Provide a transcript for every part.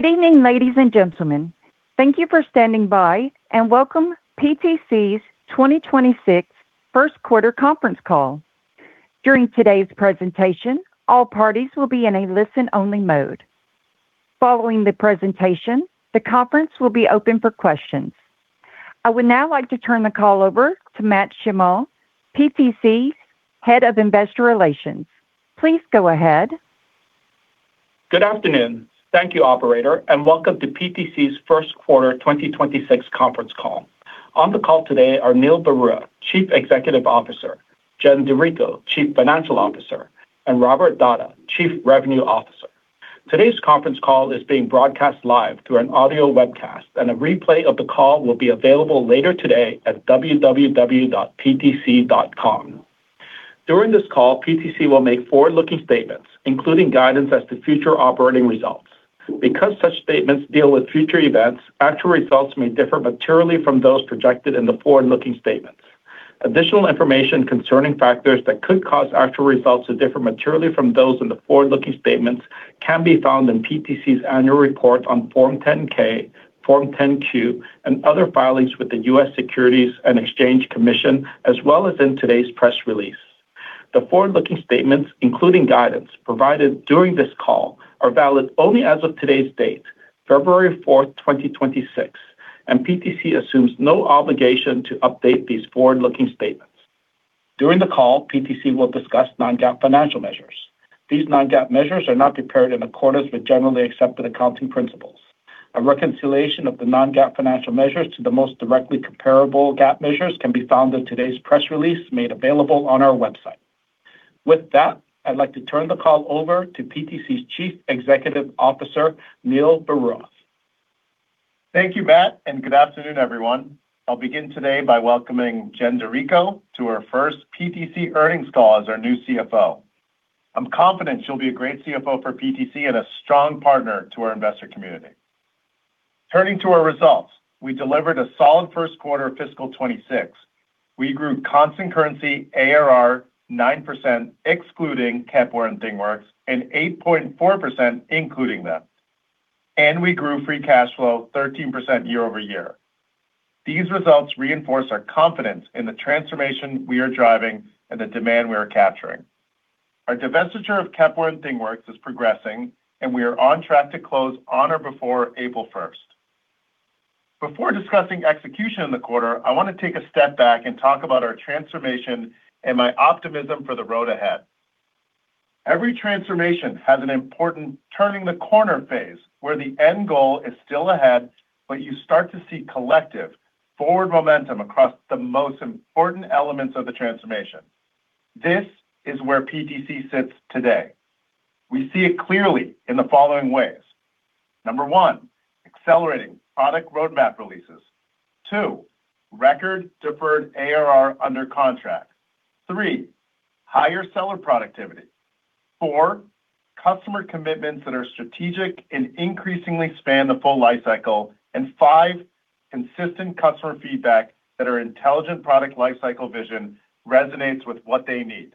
Good evening, ladies and gentlemen. Thank you for standing by, and welcome PTC's 2026 first quarter conference call. During today's presentation, all parties will be in a listen-only mode. Following the presentation, the conference will be open for questions. I would now like to turn the call over to Matt Shimao, PTC, Head of Investor Relations. Please go ahead. Good afternoon. Thank you, operator, and welcome to PTC's first quarter 2026 conference call. On the call today are Neil Barua, Chief Executive Officer, Jen DiRico, Chief Financial Officer, and Robert Dahdah, Chief Revenue Officer. Today's conference call is being broadcast live through an audio webcast, and a replay of the call will be available later today at www.ptc.com. During this call, PTC will make forward-looking statements, including guidance as to future operating results. Because such statements deal with future events, actual results may differ materially from those projected in the forward-looking statements. Additional information concerning factors that could cause actual results to differ materially from those in the forward-looking statements can be found in PTC's annual report on Form 10-K, Form 10-Q, and other filings with the U.S. Securities and Exchange Commission, as well as in today's press release. The forward-looking statements, including guidance provided during this call, are valid only as of today's date, February fourth, 2026, and PTC assumes no obligation to update these forward-looking statements. During the call, PTC will discuss non-GAAP financial measures. These non-GAAP measures are not prepared in accordance with generally accepted accounting principles. A reconciliation of the non-GAAP financial measures to the most directly comparable GAAP measures can be found in today's press release made available on our website. With that, I'd like to turn the call over to PTC's Chief Executive Officer, Neil Barua. Thank you, Matt, and good afternoon, everyone. I'll begin today by welcoming Jen DiRico to our first PTC earnings call as our new CFO. I'm confident she'll be a great CFO for PTC and a strong partner to our investor community. Turning to our results, we delivered a solid first quarter of fiscal 2026. We grew constant currency ARR 9%, excluding Kepware and ThingWorx, and 8.4%, including them, and we grew free cash flow 13% year-over-year. These results reinforce our confidence in the transformation we are driving and the demand we are capturing. Our divestiture of Kepware and ThingWorx is progressing, and we are on track to close on or before April 1. Before discussing execution in the quarter, I want to take a step back and talk about our transformation and my optimism for the road ahead. Every transformation has an important turning the corner phase, where the end goal is still ahead, but you start to see collective forward momentum across the most important elements of the transformation. This is where PTC sits today. We see it clearly in the following ways: Number 1, accelerating product roadmap releases. 2, record deferred ARR under contract. 3, higher seller productivity. 4, customer commitments that are strategic and increasingly span the full life cycle. And 5, consistent customer feedback that our Intelligent Product Lifecycle vision resonates with what they need.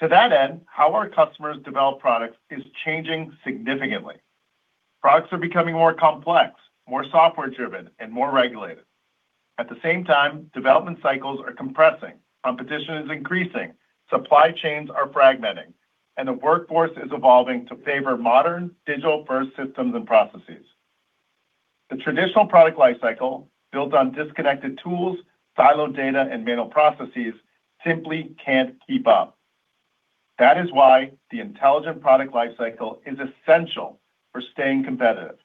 To that end, how our customers develop products is changing significantly. Products are becoming more complex, more software-driven, and more regulated. At the same time, development cycles are compressing, competition is increasing, supply chains are fragmenting, and the workforce is evolving to favor modern, digital-first systems and processes. The traditional product lifecycle, built on disconnected tools, siloed data, and manual processes, simply can't keep up. That is why the Intelligent Product Lifecycle is essential for staying competitive.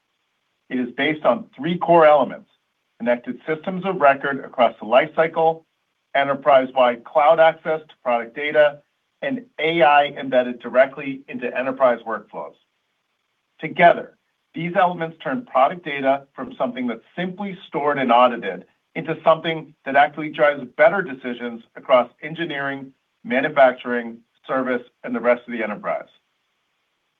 It is based on three core elements: connected systems of record across the lifecycle, enterprise-wide cloud access to product data, and AI embedded directly into enterprise workflows. Together, these elements turn product data from something that's simply stored and audited into something that actually drives better decisions across engineering, manufacturing, service, and the rest of the enterprise.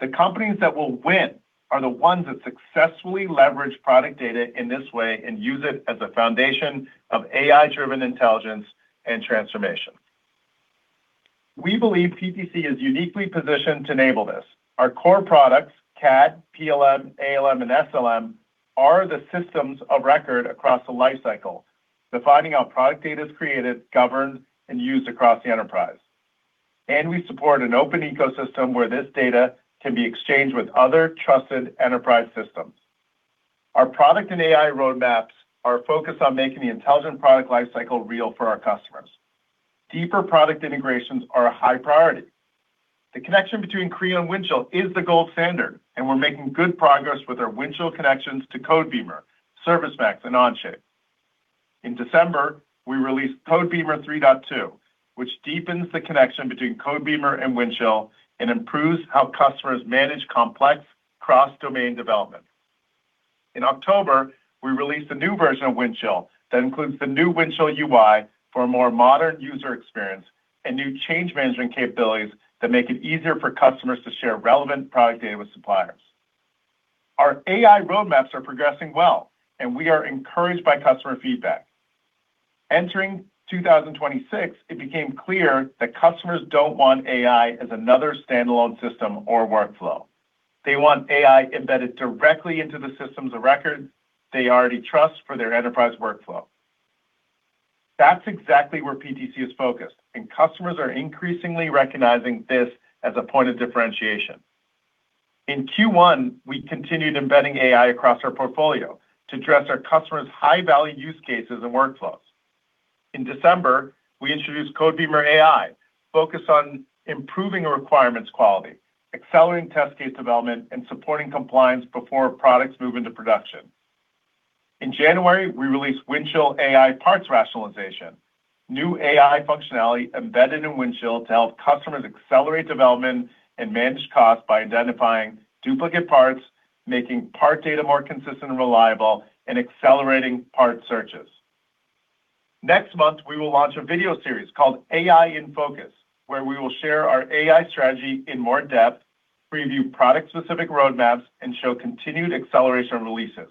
The companies that will win are the ones that successfully leverage product data in this way and use it as a foundation of AI-driven intelligence and transformation. We believe PTC is uniquely positioned to enable this. Our core products, CAD, PLM, ALM, and SLM, are the systems of record across the lifecycle, defining how product data is created, governed, and used across the enterprise. We support an open ecosystem where this data can be exchanged with other trusted enterprise systems. Our product and AI roadmaps are focused on making the Intelligent Product Lifecycle real for our customers. Deeper product integrations are a high priority. The connection between Creo and Windchill is the gold standard, and we're making good progress with our Windchill connections to Codebeamer, ServiceMax, and Onshape. In December, we released Codebeamer 3.2, which deepens the connection between Codebeamer and Windchill and improves how customers manage complex cross-domain development. In October, we released a new version of Windchill that includes the new Windchill UI for a more modern user experience, and new change management capabilities that make it easier for customers to share relevant product data with suppliers. Our AI roadmaps are progressing well, and we are encouraged by customer feedback. Entering 2026, it became clear that customers don't want AI as another standalone system or workflow. They want AI embedded directly into the systems of record they already trust for their enterprise workflow. That's exactly where PTC is focused, and customers are increasingly recognizing this as a point of differentiation. In Q1, we continued embedding AI across our portfolio to address our customers' high-value use cases and workflows. In December, we introduced Codebeamer AI, focused on improving requirements quality, accelerating test case development, and supporting compliance before products move into production. In January, we released Windchill AI Parts Rationalization, new AI functionality embedded in Windchill to help customers accelerate development and manage costs by identifying duplicate parts, making part data more consistent and reliable, and accelerating part searches. Next month, we will launch a video series called AI In Focus, where we will share our AI strategy in more depth, preview product-specific roadmaps, and show continued acceleration releases.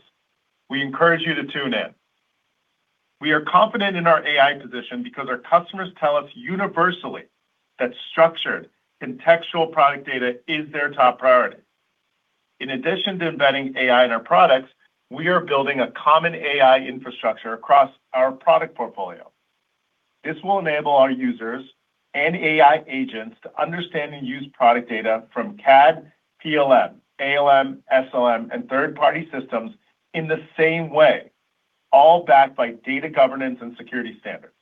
We encourage you to tune in. We are confident in our AI position because our customers tell us universally that structured contextual product data is their top priority. In addition to embedding AI in our products, we are building a common AI infrastructure across our product portfolio. This will enable our users and AI agents to understand and use product data from CAD, PLM, ALM, SLM, and third-party systems in the same way, all backed by data governance and security standards.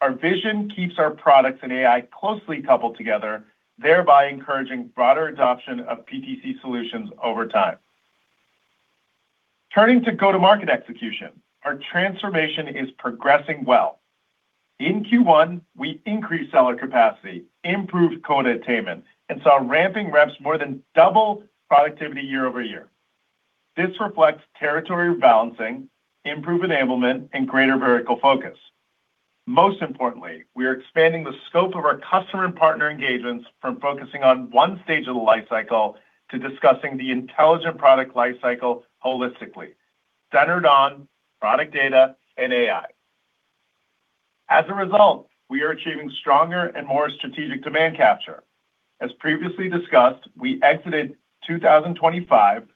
Our vision keeps our products and AI closely coupled together, thereby encouraging broader adoption of PTC solutions over time. Turning to go-to-market execution, our transformation is progressing well. In Q1, we increased seller capacity, improved quota attainment, and saw ramping reps more than double productivity year-over-year. This reflects territory rebalancing, improved enablement, and greater vertical focus. Most importantly, we are expanding the scope of our customer and partner engagements from focusing on one stage of the lifecycle to discussing the Intelligent Product Lifecycle holistically, centered on product data and AI. As a result, we are achieving stronger and more strategic demand capture. As previously discussed, we exited 2025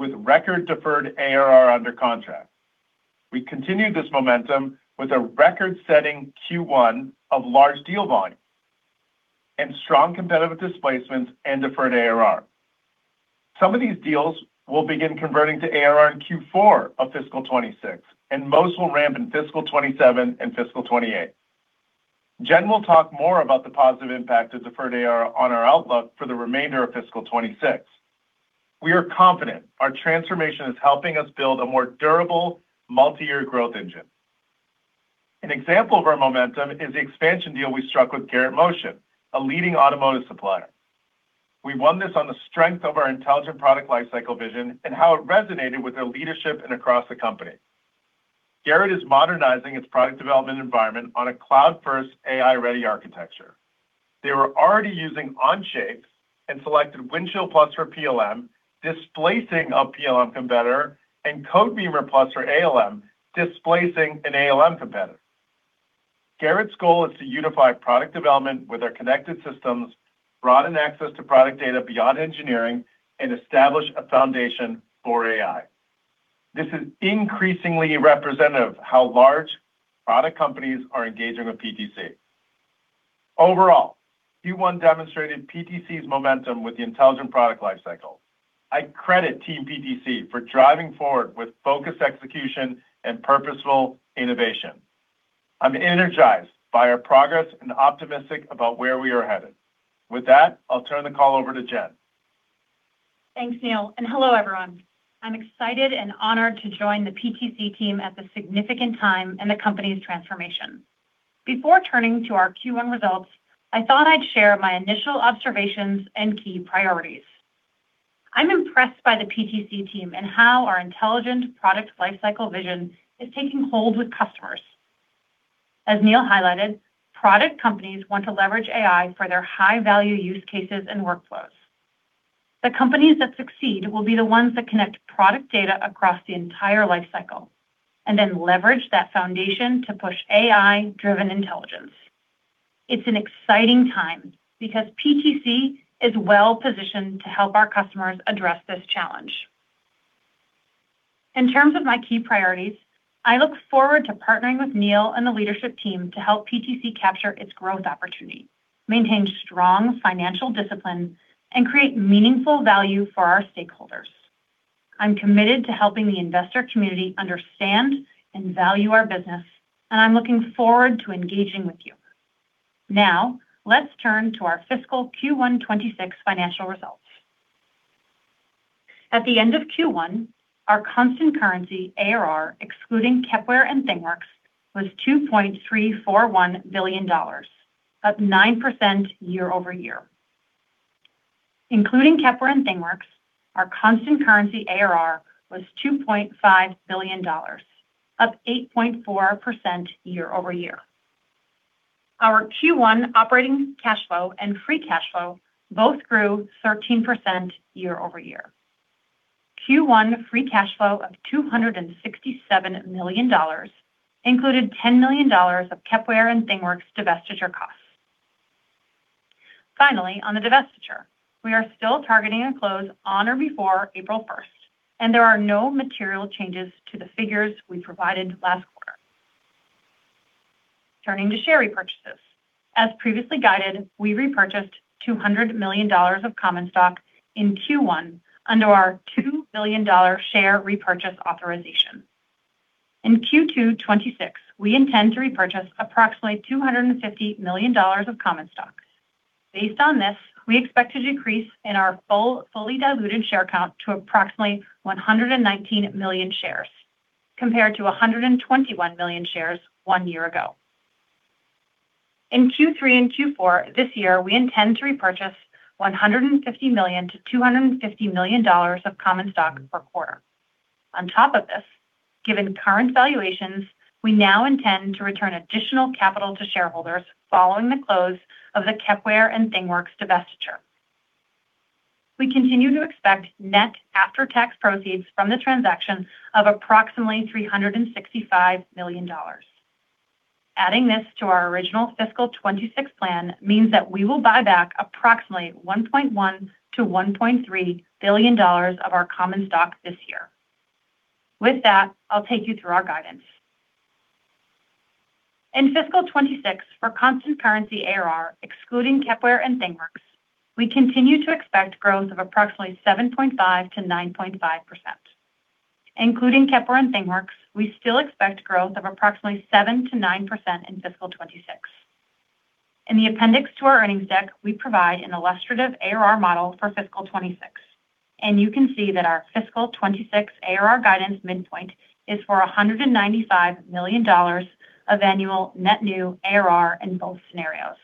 with record deferred ARR under contract. We continued this momentum with a record-setting Q1 of large deal volume and strong competitive displacements and deferred ARR. Some of these deals will begin converting to ARR in Q4 of fiscal 2026, and most will ramp in fiscal 2027 and fiscal 2028. Jen will talk more about the positive impact of deferred ARR on our outlook for the remainder of fiscal 2026. We are confident our transformation is helping us build a more durable, multi-year growth engine. An example of our momentum is the expansion deal we struck with Garrett Motion, a leading automotive supplier. We won this on the strength of our Intelligent Product Lifecycle vision and how it resonated with their leadership and across the company. Garrett is modernizing its product development environment on a cloud-first, AI-ready architecture. They were already using Onshape and selected Windchill+ for PLM, displacing a PLM competitor, and Codebeamer+ for ALM, displacing an ALM competitor. Garrett's goal is to unify product development with their connected systems, broaden access to product data beyond engineering, and establish a foundation for AI. This is increasingly representative of how large product companies are engaging with PTC. Overall, Q1 demonstrated PTC's momentum with the Intelligent Product Lifecycle. I credit Team PTC for driving forward with focused execution and purposeful innovation. I'm energized by our progress and optimistic about where we are headed. With that, I'll turn the call over to Jen. Thanks, Neil, and hello, everyone. I'm excited and honored to join the PTC team at this significant time in the company's transformation. Before turning to our Q1 results, I thought I'd share my initial observations and key priorities. I'm impressed by the PTC team and how our Intelligent Product Lifecycle vision is taking hold with customers. As Neil highlighted, product companies want to leverage AI for their high-value use cases and workflows. The companies that succeed will be the ones that connect product data across the entire lifecycle and then leverage that foundation to push AI-driven intelligence. It's an exciting time because PTC is well-positioned to help our customers address this challenge. In terms of my key priorities, I look forward to partnering with Neil and the leadership team to help PTC capture its growth opportunity, maintain strong financial discipline, and create meaningful value for our stakeholders. I'm committed to helping the investor community understand and value our business, and I'm looking forward to engaging with you. Now, let's turn to our fiscal Q1 2026 financial results. At the end of Q1, our constant currency ARR, excluding Kepware and ThingWorx, was $2.341 billion, up 9% year-over-year. Including Kepware and ThingWorx, our constant currency ARR was $2.5 billion, up 8.4% year-over-year.... Our Q1 operating cash flow and free cash flow both grew 13% year-over-year. Q1 free cash flow of $267 million included $10 million of Kepware and ThingWorx divestiture costs. Finally, on the divestiture, we are still targeting a close on or before April 1, and there are no material changes to the figures we provided last quarter. Turning to share repurchases. As previously guided, we repurchased $200 million of common stock in Q1 under our $2 billion share repurchase authorization. In Q2 2026, we intend to repurchase approximately $250 million of common stock. Based on this, we expect to decrease in our fully diluted share count to approximately 119 million shares, compared to 121 million shares one year ago. In Q3 and Q4 this year, we intend to repurchase $150 million-$250 million of common stock per quarter. On top of this, given current valuations, we now intend to return additional capital to shareholders following the close of the Kepware and ThingWorx divestiture. We continue to expect net after-tax proceeds from the transaction of approximately $365 million. Adding this to our original fiscal 2026 plan means that we will buy back approximately $1.1 billion-$1.3 billion of our common stock this year. With that, I'll take you through our guidance. In fiscal 2026, for constant currency ARR, excluding Kepware and ThingWorx, we continue to expect growth of approximately 7.5%-9.5%. Including Kepware and ThingWorx, we still expect growth of approximately 7%-9% in fiscal 2026. In the appendix to our earnings deck, we provide an illustrative ARR model for fiscal 2026, and you can see that our fiscal 2026 ARR guidance midpoint is for $195 million of annual net new ARR in both scenarios.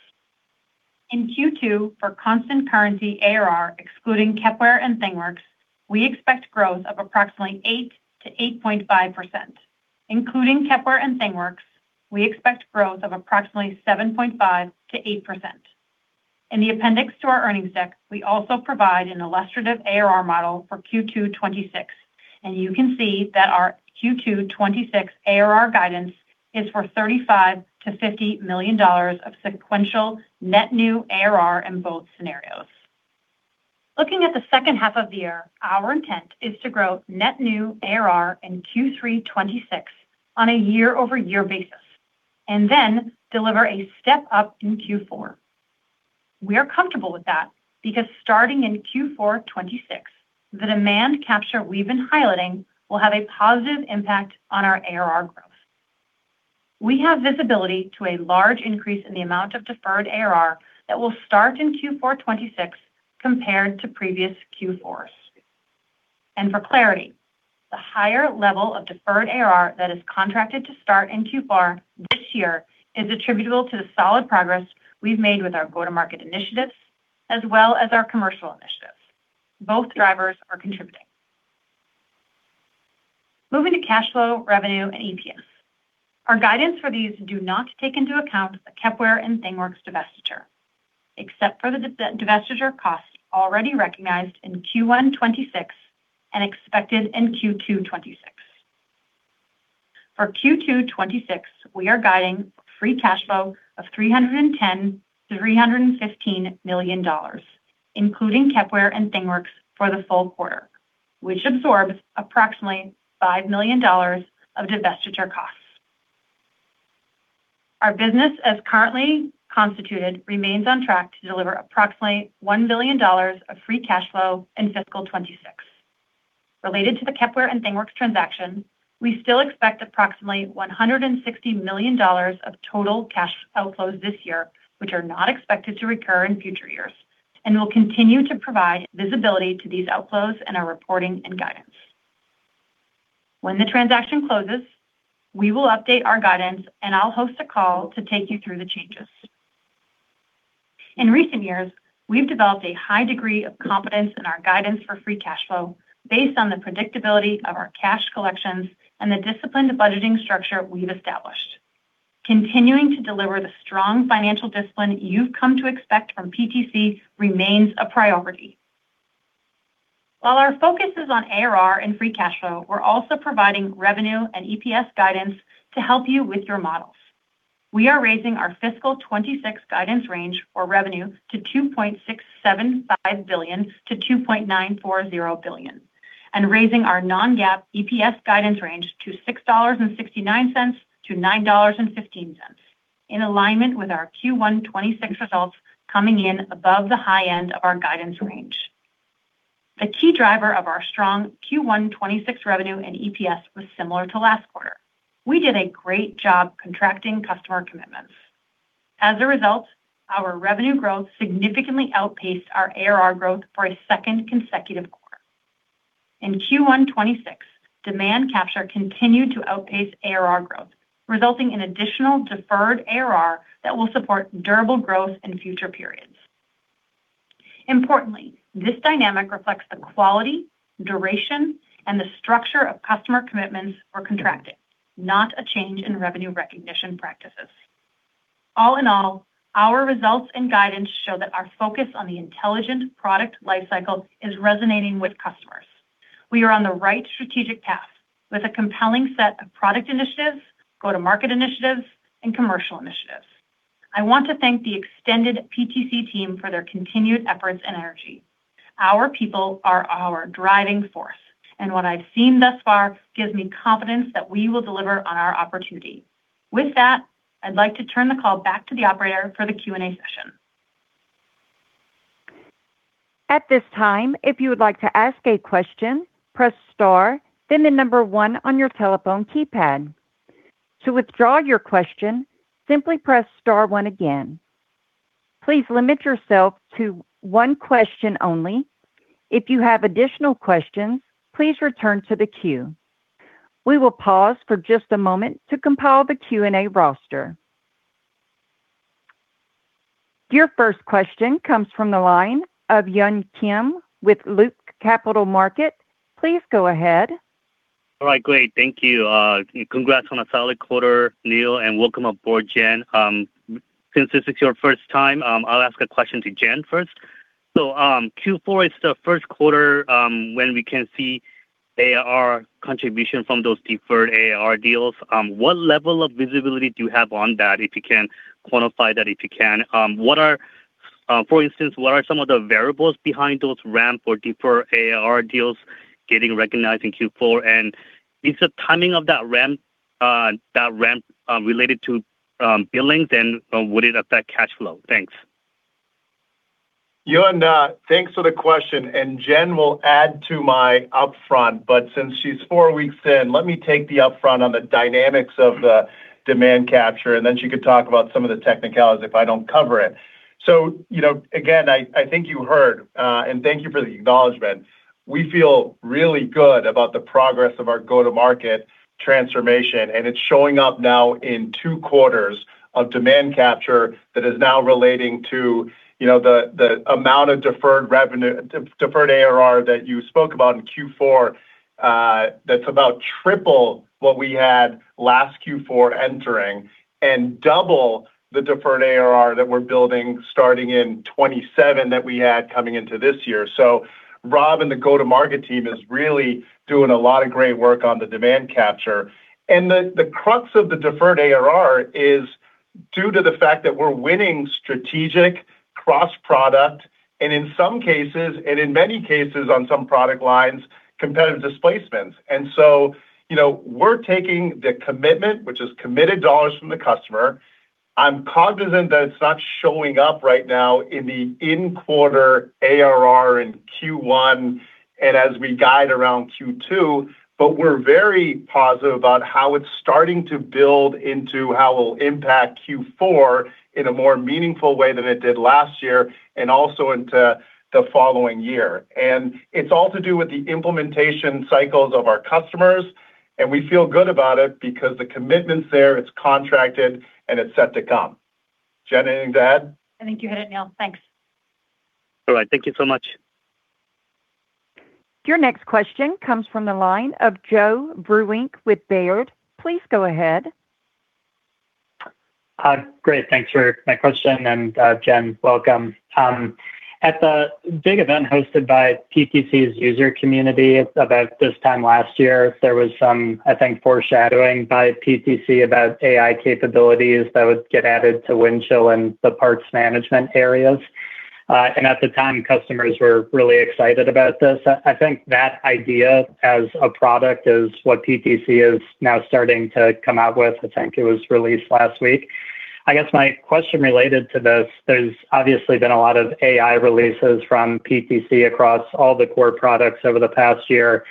In Q2, for constant currency ARR, excluding Kepware and ThingWorx, we expect growth of approximately 8%-8.5%. Including Kepware and ThingWorx, we expect growth of approximately 7.5%-8%. In the appendix to our earnings deck, we also provide an illustrative ARR model for Q2 2026, and you can see that our Q2 2026 ARR guidance is for $35 million-$50 million of sequential net new ARR in both scenarios. Looking at the second half of the year, our intent is to grow net new ARR in Q3 2026 on a year-over-year basis, and then deliver a step-up in Q4. We are comfortable with that because starting in Q4 2026, the demand capture we've been highlighting will have a positive impact on our ARR growth. We have visibility to a large increase in the amount of deferred ARR that will start in Q4 2026 compared to previous Q4s. For clarity, the higher level of deferred ARR that is contracted to start in Q4 this year is attributable to the solid progress we've made with our go-to-market initiatives as well as our commercial initiatives. Both drivers are contributing. Moving to cash flow, revenue, and EPS. Our guidance for these do not take into account the Kepware and ThingWorx divestiture, except for the divestiture costs already recognized in Q1 2026 and expected in Q2 2026. For Q2 2026, we are guiding free cash flow of $310 million-$315 million, including Kepware and ThingWorx for the full quarter, which absorbs approximately $5 million of divestiture costs. Our business, as currently constituted, remains on track to deliver approximately $1 billion of free cash flow in fiscal 2026. Related to the Kepware and ThingWorx transaction, we still expect approximately $160 million of total cash outflows this year, which are not expected to recur in future years, and we'll continue to provide visibility to these outflows in our reporting and guidance. When the transaction closes, we will update our guidance, and I'll host a call to take you through the changes. In recent years, we've developed a high degree of confidence in our guidance for free cash flow based on the predictability of our cash collections and the disciplined budgeting structure we've established. Continuing to deliver the strong financial discipline you've come to expect from PTC remains a priority. While our focus is on ARR and free cash flow, we're also providing revenue and EPS guidance to help you with your models. We are raising our fiscal 2026 guidance range for revenue to $2.675 billion-$2.940 billion, and raising our non-GAAP EPS guidance range to $6.69-$9.15, in alignment with our Q1 2026 results coming in above the high end of our guidance range. The key driver of our strong Q1 2026 revenue and EPS was similar to last quarter. We did a great job contracting customer commitments. As a result, our revenue growth significantly outpaced our ARR growth for a second consecutive quarter. In Q1 2026, demand capture continued to outpace ARR growth, resulting in additional deferred ARR that will support durable growth in future periods. Importantly, this dynamic reflects the quality, duration, and the structure of customer commitments or contracting, not a change in revenue recognition practices. All in all, our results and guidance show that our focus on the Intelligent Product Lifecycle is resonating with customers. We are on the right strategic path with a compelling set of product initiatives, go-to-market initiatives, and commercial initiatives. I want to thank the extended PTC team for their continued efforts and energy. Our people are our driving force, and what I've seen thus far gives me confidence that we will deliver on our opportunity. With that, I'd like to turn the call back to the operator for the Q&A session. At this time, if you would like to ask a question, press star, then the number one on your telephone keypad. To withdraw your question, simply press star one again. Please limit yourself to one question only. If you have additional questions, please return to the queue. We will pause for just a moment to compile the Q&A roster. Your first question comes from the line of Yun Kim with Loop Capital Markets. Please go ahead. All right, great. Thank you. Congrats on a solid quarter, Neil, and welcome aboard, Jen. Since this is your first time, I'll ask a question to Jen first. Q4 is the first quarter when we can see ARR contribution from those deferred ARR deals. What level of visibility do you have on that, if you can quantify that, if you can? For instance, what are some of the variables behind those ramp or deferred ARR deals getting recognized in Q4? And is the timing of that ramp related to billings, and would it affect cash flow? Thanks. Yun, thanks for the question, and Jen will add to my upfront. But since she's 4 weeks in, let me take the upfront on the dynamics of the demand capture, and then she could talk about some of the technicalities if I don't cover it. So, you know, again, I think you heard, and thank you for the acknowledgment. We feel really good about the progress of our go-to-market transformation, and it's showing up now in 2 quarters of demand capture that is now relating to, you know, the amount of deferred ARR that you spoke about in Q4, that's about triple what we had last Q4 entering, and double the deferred ARR that we're building starting in 2027 that we had coming into this year. So Rob and the go-to-market team is really doing a lot of great work on the demand capture. And the crux of the deferred ARR is due to the fact that we're winning strategic cross-product, and in some cases, and in many cases on some product lines, competitive displacements. And so, you know, we're taking the commitment, which is committed dollars from the customer. I'm cognizant that it's not showing up right now in the in-quarter ARR in Q1, and as we guide around Q2, but we're very positive about how it's starting to build into how it'll impact Q4 in a more meaningful way than it did last year, and also into the following year. And it's all to do with the implementation cycles of our customers, and we feel good about it because the commitment's there, it's contracted, and it's set to come. Jen, anything to add? I think you hit it, Neil. Thanks. All right. Thank you so much. Your next question comes from the line of Joe Vruwink with Baird. Please go ahead. Great, thanks for my question, and, Jen, welcome. At the big event hosted by PTC's user community, about this time last year, there was some, I think, foreshadowing by PTC about AI capabilities that would get added to Windchill and the parts management areas. And at the time, customers were really excited about this. I think that idea as a product is what PTC is now starting to come out with. I think it was released last week. I guess my question related to this, there's obviously been a lot of AI releases from PTC across all the core products over the past year,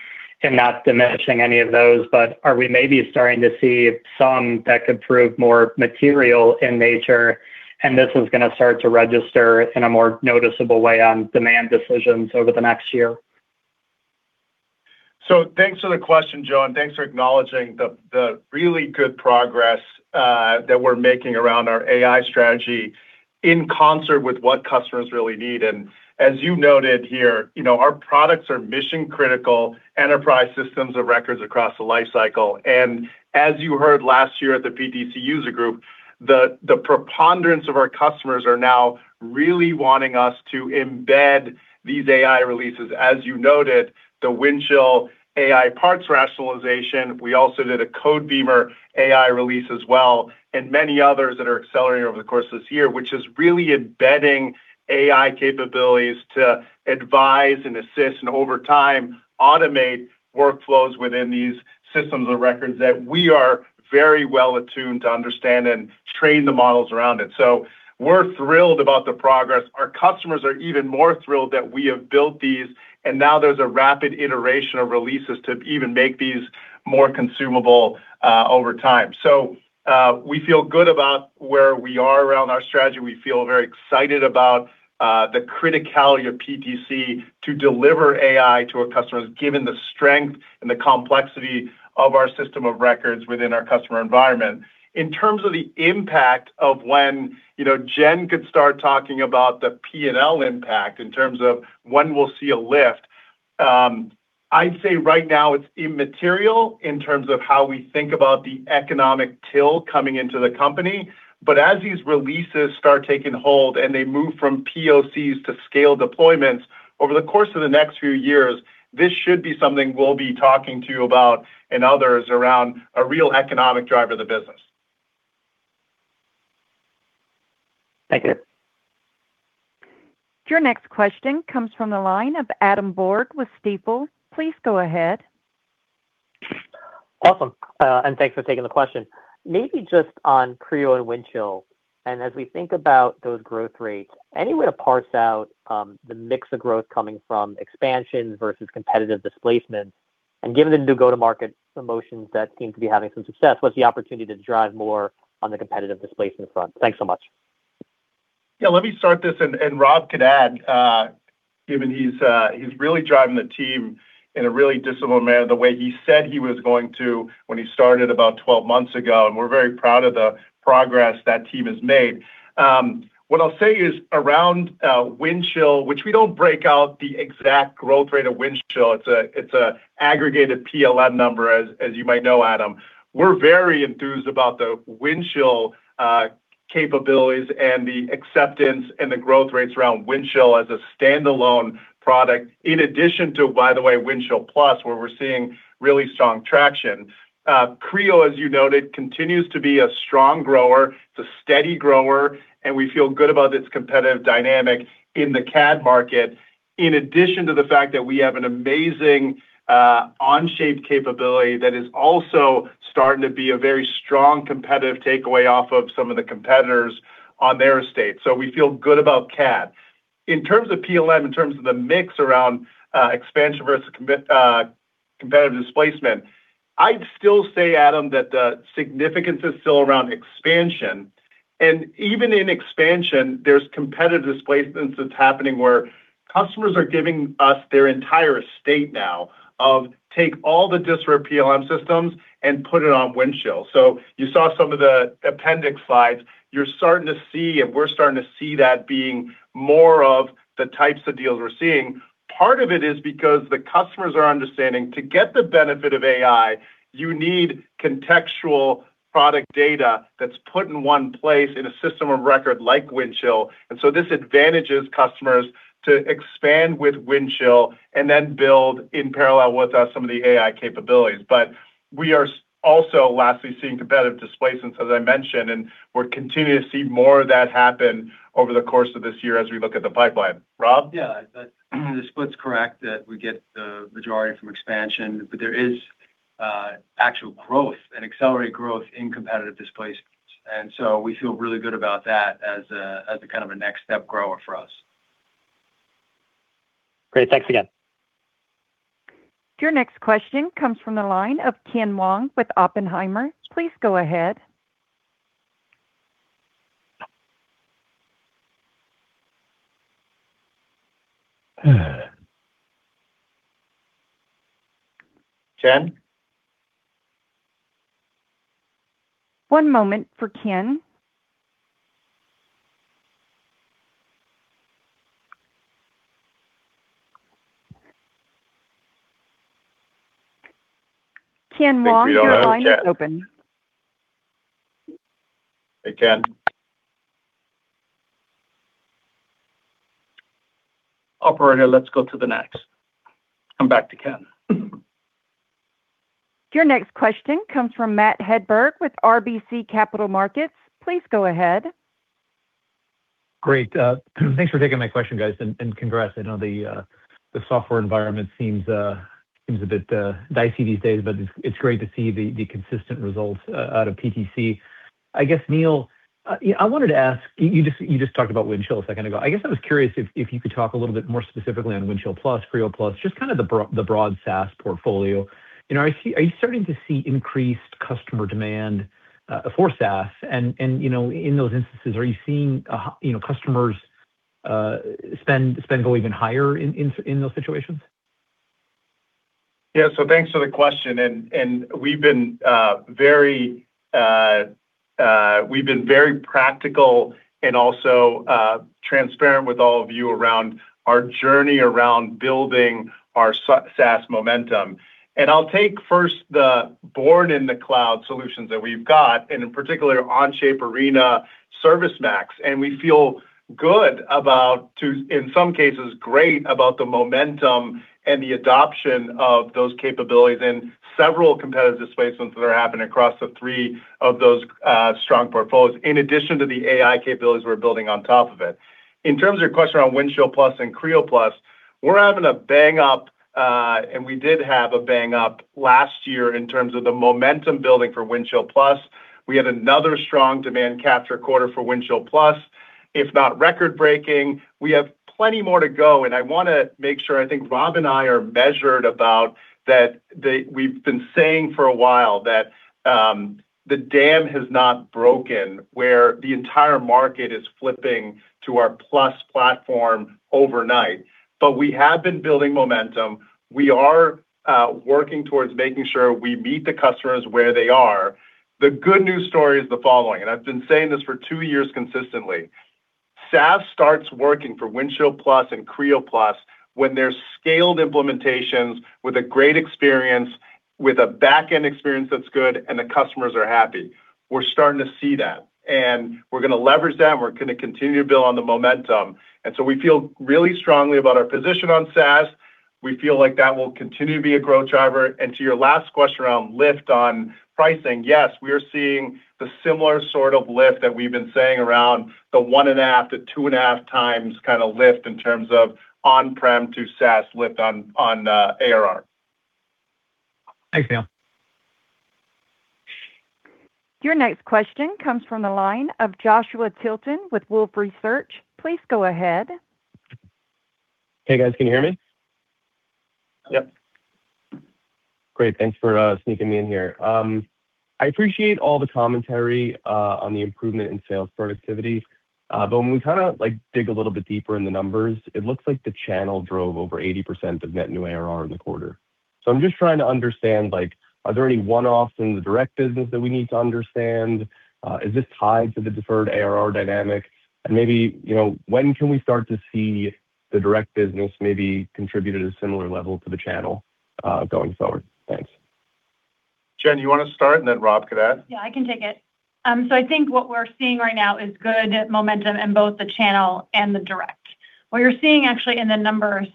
and not diminishing any of those, but are we maybe starting to see some that could prove more material in nature, and this is gonna start to register in a more noticeable way on demand decisions over the next year? So thanks for the question, Joe, and thanks for acknowledging the really good progress that we're making around our AI strategy in concert with what customers really need. As you noted here, you know, our products are mission-critical enterprise systems of records across the lifecycle. As you heard last year at the PTC User Group, the preponderance of our customers are now really wanting us to embed these AI releases. As you noted, the Windchill AI Parts Rationalization. We also did a Codebeamer AI release as well, and many others that are accelerating over the course of this year, which is really embedding AI capabilities to advise and assist, and over time, automate workflows within these systems of records that we are very well attuned to understand and train the models around it. So we're thrilled about the progress. Our customers are even more thrilled that we have built these, and now there's a rapid iteration of releases to even make these more consumable over time. So, we feel good about where we are around our strategy. We feel very excited about the criticality of PTC to deliver AI to our customers, given the strength and the complexity of our system of records within our customer environment. In terms of the impact of when, you know, Jen could start talking about the P&L impact in terms of when we'll see a lift. I'd say right now it's immaterial in terms of how we think about the economic till coming into the company. As these releases start taking hold, and they move from POCs to scale deployments over the course of the next few years, this should be something we'll be talking to you about and others around a real economic driver of the business. Thank you. Your next question comes from the line of Adam Borg with Stifel. Please go ahead. Awesome, and thanks for taking the question. Maybe just on Creo and Windchill, and as we think about those growth rates, any way to parse out, the mix of growth coming from expansion versus competitive displacement? And given the new go-to-market motions that seem to be having some success, what's the opportunity to drive more on the competitive displacement front? Thanks so much. Yeah, let me start this, and Rob can add, given he's really driving the team in a really disciplined manner, the way he said he was going to when he started about 12 months ago, and we're very proud of the progress that team has made. What I'll say is around Windchill, which we don't break out the exact growth rate of Windchill. It's an aggregated PLM number, as you might know, Adam. We're very enthused about the Windchill capabilities and the acceptance and the growth rates around Windchill as a standalone product. In addition to, by the way, Windchill+, where we're seeing really strong traction. Creo, as you noted, continues to be a strong grower, it's a steady grower, and we feel good about its competitive dynamic in the CAD market. In addition to the fact that we have an amazing Onshape capability that is also starting to be a very strong competitive takeaway off of some of the competitors on their estate, so we feel good about CAD. In terms of PLM, in terms of the mix around expansion versus competitive displacement, I'd still say, Adam, that the significance is still around expansion. And even in expansion, there's competitive displacement that's happening where customers are giving us their entire estate now, to take all the disparate PLM systems and put it on Windchill. So you saw some of the appendix slides. You're starting to see, and we're starting to see that being more of the types of deals we're seeing. Part of it is because the customers are understanding, to get the benefit of AI, you need contextual product data that's put in one place in a system of record like Windchill. And so this advantages customers to expand with Windchill and then build in parallel with some of the AI capabilities. But we are also lastly seeing competitive displacements, as I mentioned, and we're continuing to see more of that happen over the course of this year as we look at the pipeline. Rob? Yeah, the split's correct that we get the majority from expansion, but there is actual growth and accelerated growth in competitive displacements, and so we feel really good about that as a kind of next step grower for us. Great. Thanks again. Your next question comes from the line of Ken Wong with Oppenheimer. Please go ahead. Ken? One moment for Ken. Ken Wong- I think we don't have Ken. Your line is open. Hey, Ken. Operator, let's go to the next. Come back to Ken. Your next question comes from Matt Hedberg with RBC Capital Markets. Please go ahead. Great. Thanks for taking my question, guys, and congrats. I know the software environment seems a bit dicey these days, but it's great to see the consistent results out of PTC. I guess, Neil, I wanted to ask... You just talked about Windchill a second ago. I guess I was curious if you could talk a little bit more specifically on Windchill+, Creo+, just kind of the broad SaaS portfolio. You know, are you starting to see increased customer demand for SaaS? And, you know, in those instances, are you seeing customers spend go even higher in those situations? Yeah. So thanks for the question, and we've been very practical and also transparent with all of you around our journey around building our SaaS momentum. I'll take first the born in the cloud solutions that we've got, and in particular, Onshape, Arena, ServiceMax. We feel good about, in some cases, great about the momentum and the adoption of those capabilities, and several competitive displacements that are happening across the three of those strong portfolios, in addition to the AI capabilities we're building on top of it. In terms of your question on Windchill+ and Creo+, we're having a bang-up, and we did have a bang-up last year in terms of the momentum building for Windchill+. We had another strong demand capture quarter for Windchill+, if not record-breaking. We have plenty more to go, and I want to make sure... I think Rob and I are measured about that. We've been saying for a while that the dam has not broken, where the entire market is flipping to our Plus platform overnight. But we have been building momentum. We are working towards making sure we meet the customers where they are. The good news story is the following, and I've been saying this for two years consistently.... SaaS starts working for Windchill+ and Creo+ when there's scaled implementations with a great experience, with a back-end experience that's good, and the customers are happy. We're starting to see that, and we're going to leverage that, and we're going to continue to build on the momentum. And so we feel really strongly about our position on SaaS. We feel like that will continue to be a growth driver. To your last question around lift on pricing, yes, we are seeing the similar sort of lift that we've been saying around the 1.5-2.5 times kind of lift in terms of on-prem to SaaS lift on ARR. Thanks, Neil. Your next question comes from the line of Joshua Tilton with Wolfe Research. Please go ahead. Hey, guys, can you hear me? Yep. Great, thanks for sneaking me in here. I appreciate all the commentary on the improvement in sales productivity. But when we kind of, like, dig a little bit deeper in the numbers, it looks like the channel drove over 80% of net new ARR in the quarter. So I'm just trying to understand, like, are there any one-offs in the direct business that we need to understand? Is this tied to the deferred ARR dynamic? And maybe, you know, when can we start to see the direct business maybe contribute at a similar level to the channel going forward? Thanks. Jen, you want to start, and then Rob could add? Yeah, I can take it. So I think what we're seeing right now is good momentum in both the channel and the direct. What you're seeing actually in the numbers,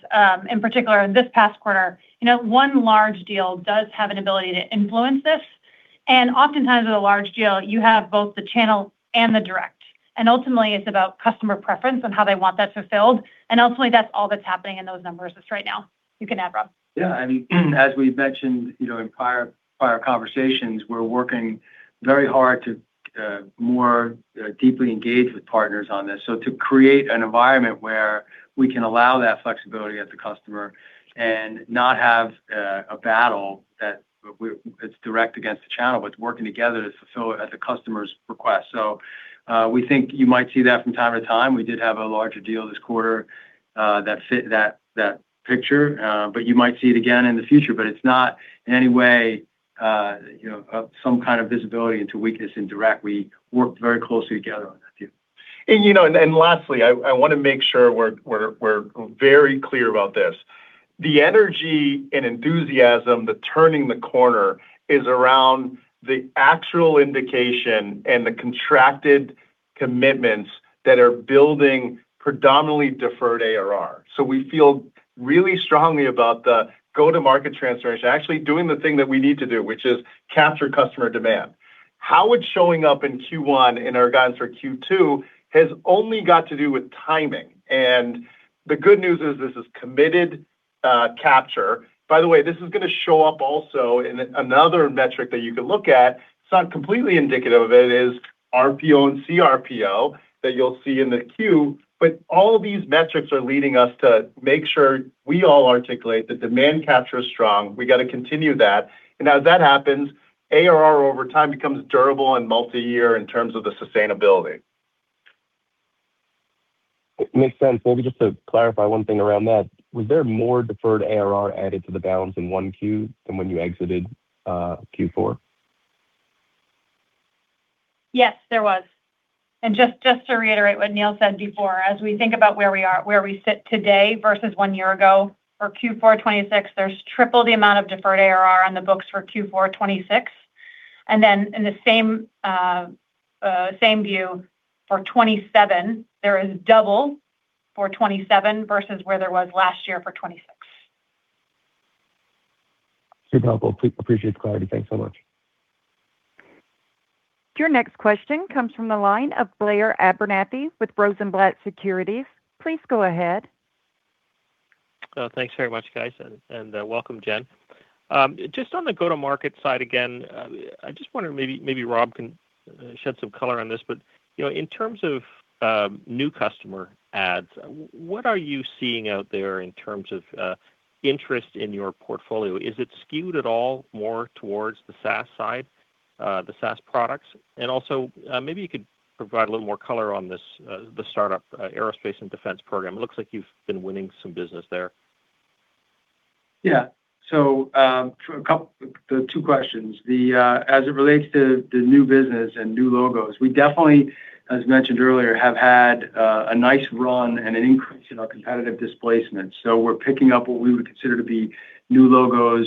in particular in this past quarter, you know, one large deal does have an ability to influence this. And oftentimes with a large deal, you have both the channel and the direct, and ultimately it's about customer preference and how they want that fulfilled. And ultimately, that's all that's happening in those numbers just right now. You can add, Rob. Yeah, I mean, as we've mentioned, you know, in prior conversations, we're working very hard to more deeply engage with partners on this. So to create an environment where we can allow that flexibility at the customer and not have a battle that we're, it's direct against the channel, but it's working together to fulfill at the customer's request. So, we think you might see that from time to time. We did have a larger deal this quarter, that fit that picture, but you might see it again in the future, but it's not in any way, you know, of some kind of visibility into weakness in direct. We worked very closely together on that deal. You know, lastly, I want to make sure we're very clear about this. The energy and enthusiasm, the turning the corner is around the actual indication and the contracted commitments that are building predominantly deferred ARR. So we feel really strongly about the go-to-market transformation, actually doing the thing that we need to do, which is capture customer demand. How it's showing up in Q1 and our guidance for Q2 has only got to do with timing. And the good news is this is committed capture. By the way, this is going to show up also in another metric that you can look at. It's not completely indicative of it. It is RPO and cRPO that you'll see in the Q, but all of these metrics are leading us to make sure we all articulate the demand capture is strong. We got to continue that. And as that happens, ARR, over time, becomes durable and multi-year in terms of the sustainability. It makes sense. Maybe just to clarify one thing around that, was there more deferred ARR added to the balance in Q1 than when you exited Q4? Yes, there was. And just, just to reiterate what Neil said before, as we think about where we are, where we sit today versus one year ago, for Q4 2026, there's triple the amount of deferred ARR on the books for Q4 2026. And then in the same, same view for 2027, there is double for 2027 versus where there was last year for 2026. Super helpful. Appreciate the clarity. Thanks so much. Your next question comes from the line of Blair Abernethy with Rosenblatt Securities. Please go ahead. Thanks very much, guys, and, and, welcome, Jen. Just on the go-to-market side again, I just wonder, maybe, maybe Rob can shed some color on this, but, you know, in terms of, new customer adds, what are you seeing out there in terms of, interest in your portfolio? Is it skewed at all more towards the SaaS side, the SaaS products? And also, maybe you could provide a little more color on this, the startup aerospace and defense program. It looks like you've been winning some business there. Yeah. So, for the two questions, as it relates to the new business and new logos, we definitely, as mentioned earlier, have had a nice run and an increase in our competitive displacement. So we're picking up what we would consider to be new logos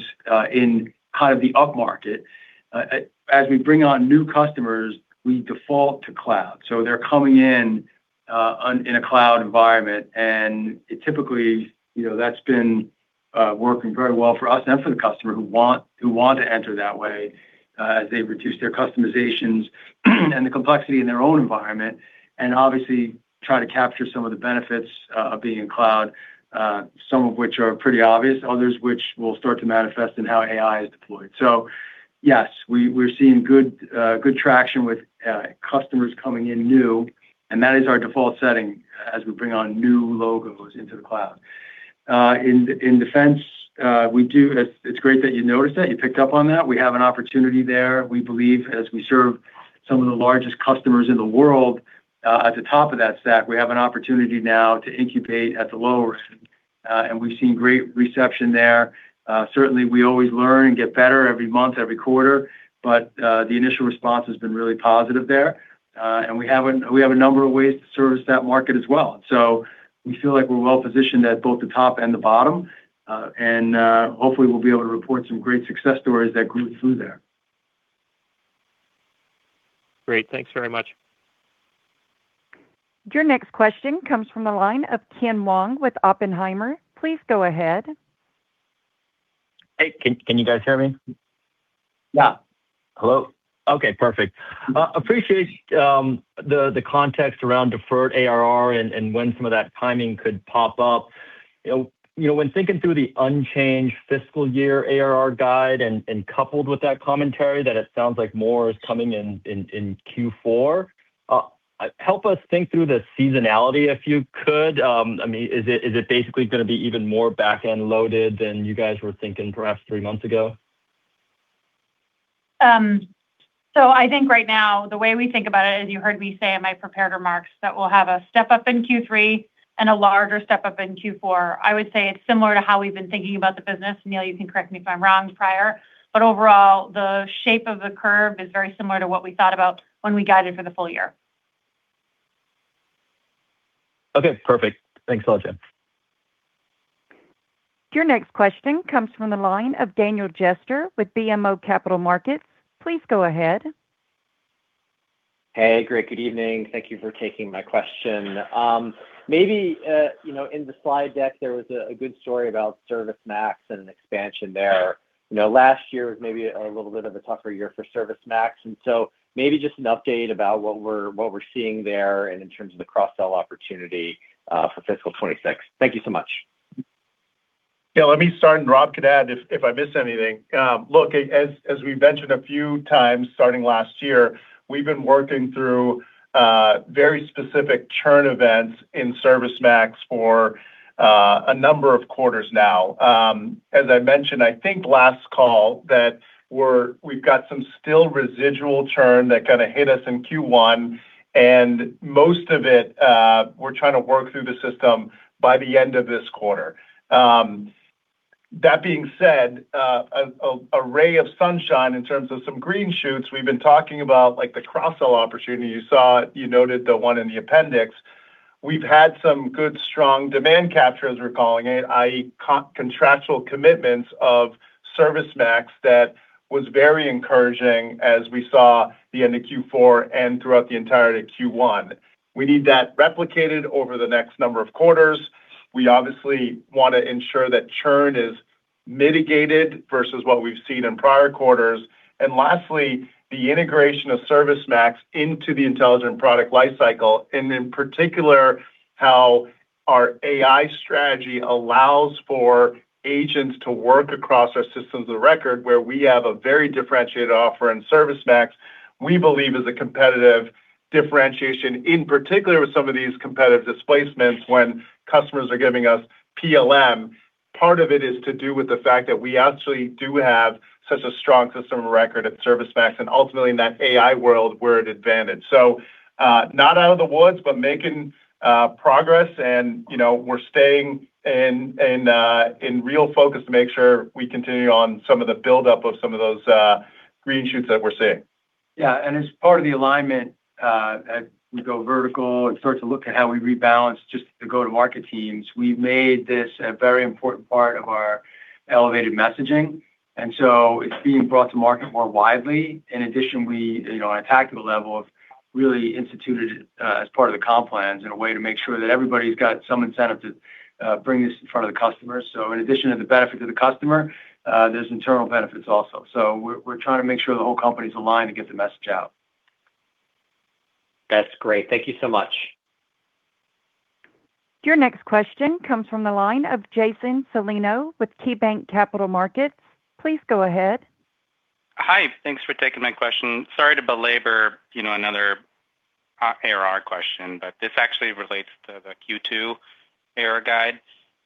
in kind of the upmarket. As we bring on new customers, we default to cloud. So they're coming in on in a cloud environment, and typically, you know, that's been working very well for us and for the customer who want to enter that way, as they reduce their customizations and the complexity in their own environment, and obviously, try to capture some of the benefits of being in cloud, some of which are pretty obvious, others which will start to manifest in how AI is deployed. So yes, we're seeing good, good traction with customers coming in new, and that is our default setting as we bring on new logos into the cloud. In defense, it's great that you noticed that, you picked up on that. We have an opportunity there. We believe as we serve some of the largest customers in the world, at the top of that stack, we have an opportunity now to incubate at the lower, and we've seen great reception there. Certainly, we always learn and get better every month, every quarter, but the initial response has been really positive there. And we have a, we have a number of ways to service that market as well. So we feel like we're well positioned at both the top and the bottom. Hopefully, we'll be able to report some great success stories that grew through there. Great. Thanks very much. Your next question comes from the line of Ken Wong with Oppenheimer. Please go ahead. Hey, can you guys hear me? Yeah. Hello? Okay, perfect. Appreciate the context around deferred ARR and when some of that timing could pop up. You know, when thinking through the unchanged fiscal year ARR guide and coupled with that commentary, that it sounds like more is coming in Q4. Help us think through the seasonality, if you could. I mean, is it basically gonna be even more back-end loaded than you guys were thinking perhaps three months ago? So I think right now, the way we think about it, as you heard me say in my prepared remarks, that we'll have a step up in Q3 and a larger step up in Q4. I would say it's similar to how we've been thinking about the business, Neil, you can correct me if I'm wrong, prior. But overall, the shape of the curve is very similar to what we thought about when we guided for the full year. Okay, perfect. Thanks a lot, Jen. Your next question comes from the line of Daniel Jester with BMO Capital Markets. Please go ahead. Hey, great, good evening. Thank you for taking my question. Maybe, you know, in the slide deck, there was a good story about ServiceMax and an expansion there. You know, last year was maybe a little bit of a tougher year for ServiceMax, and so maybe just an update about what we're seeing there and in terms of the cross-sell opportunity for fiscal 2026. Thank you so much. Yeah, let me start, and Rob could add if I miss anything. Look, as we've mentioned a few times, starting last year, we've been working through very specific churn events in ServiceMax for a number of quarters now. As I mentioned, I think last call that we've got some still residual churn that kind of hit us in Q1, and most of it, we're trying to work through the system by the end of this quarter. That being said, a ray of sunshine in terms of some green shoots we've been talking about, like the cross-sell opportunity you saw, you noted the one in the appendix. We've had some good, strong demand capture, as we're calling it, i.e., contractual commitments of ServiceMax. That was very encouraging as we saw the end of Q4 and throughout the entirety of Q1. We need that replicated over the next number of quarters. We obviously want to ensure that churn is mitigated versus what we've seen in prior quarters. And lastly, the integration of ServiceMax into the Intelligent Product Lifecycle, and in particular, how our AI strategy allows for agents to work across our systems of record, where we have a very differentiated offer in ServiceMax, we believe is a competitive differentiation, in particular with some of these competitive displacements when customers are giving us PLM. Part of it is to do with the fact that we actually do have such a strong system of record at ServiceMax, and ultimately, in that AI world, we're at advantage. So, not out of the woods, but making progress, and you know, we're staying in real focus to make sure we continue on some of the buildup of some of those green shoots that we're seeing. Yeah, and as part of the alignment, as we go vertical and start to look at how we rebalance, just the go-to-market teams, we've made this a very important part of our elevated messaging, and so it's being brought to market more widely. In addition, we, you know, on a tactical level, have really instituted it, as part of the comp plans in a way to make sure that everybody's got some incentive to, bring this in front of the customers. So in addition to the benefit of the customer, there's internal benefits also. So we're trying to make sure the whole company is aligned to get the message out. That's great. Thank you so much. Your next question comes from the line of Jason Celino with KeyBanc Capital Markets. Please go ahead. Hi, thanks for taking my question. Sorry to belabor, you know, another ARR question, but this actually relates to the Q2 ARR guide.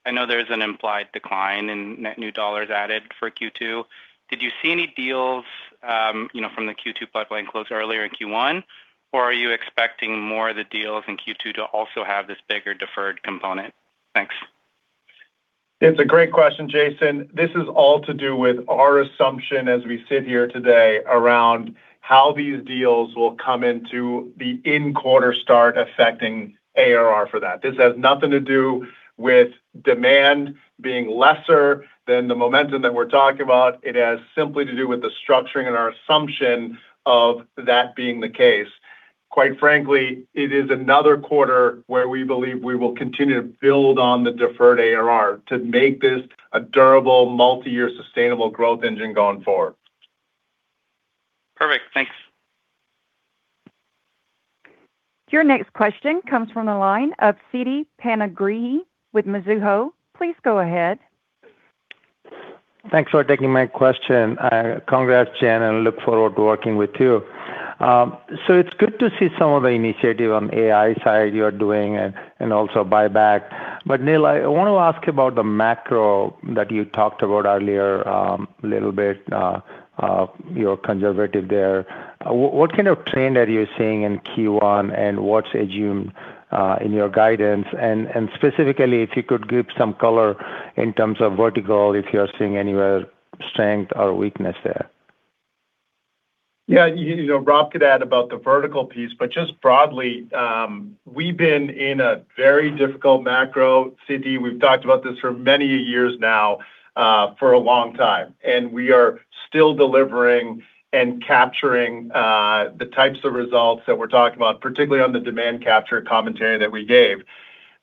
I know there's an implied decline in net new dollars added for Q2. Did you see any deals, you know, from the Q2 pipeline closed earlier in Q1, or are you expecting more of the deals in Q2 to also have this bigger deferred component? Thanks. It's a great question, Jason. This is all to do with our assumption as we sit here today around how these deals will come into the in-quarter start affecting ARR for that. This has nothing to do with demand being lesser than the momentum that we're talking about. It has simply to do with the structuring and our assumption of that being the case. Quite frankly, it is another quarter where we believe we will continue to build on the deferred ARR to make this a durable, multi-year sustainable growth engine going forward. Perfect. Thanks. Your next question comes from the line of Siti Panigrahi with Mizuho. Please go ahead. Thanks for taking my question. Congrats, Jen, and look forward to working with you. It's good to see some of the initiative on AI side you are doing and also buyback. Neil, I want to ask you about the macro that you talked about earlier, a little bit, you're conservative there. What kind of trend are you seeing in Q1, and what's assumed in your guidance? Specifically, if you could give some color in terms of vertical, if you are seeing anywhere strength or weakness there?... Yeah, you know, Rob could add about the vertical piece, but just broadly, we've been in a very difficult macro climate. We've talked about this for many years now, for a long time, and we are still delivering and capturing the types of results that we're talking about, particularly on the demand capture commentary that we gave.